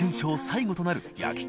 最後となる討